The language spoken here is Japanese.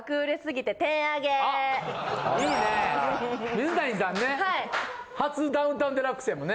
水谷さんね